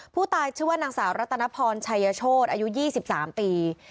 ผู้ตายชื่อว่านางสาวรัตนพรชัยโชธอายุ๒๓ปี